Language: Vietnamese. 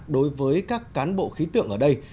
đối với các cán bộ khí tượng ở đây